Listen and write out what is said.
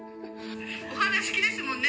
お花好きですもんね。